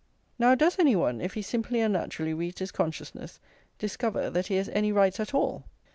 Now does any one, if he simply and naturally reads his consciousness, discover that he has any rights at all?